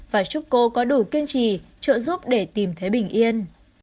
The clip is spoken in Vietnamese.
và chúc cô có đủ kiên trì trợ giúp để tìm thấy bình yên